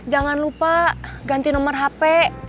jangan lupa ganti nomor hp